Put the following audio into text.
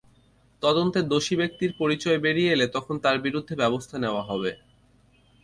তদন্তে দোষী ব্যক্তির পরিচয় বেরিয়ে এলে তখন তার বিরুদ্ধে ব্যবস্থা নেওয়া হবে।